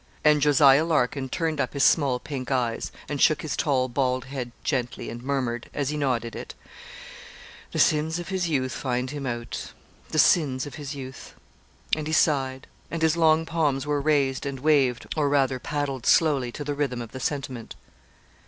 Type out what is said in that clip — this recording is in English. And Josiah Larkin turned up his small pink eyes, and shook his tall, bald head gently, and murmured, as he nodded it 'The sins of his youth find him out; the sins of his youth.' And he sighed; and his long palms were raised, and waved, or rather paddled slowly to the rhythm of the sentiment.